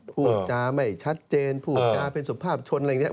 พูดจาไม่ชัดเจนพูดจาเป็นสุภาพชนอะไรอย่างนี้